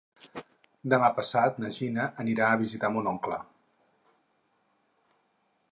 Demà passat na Gina anirà a visitar mon oncle.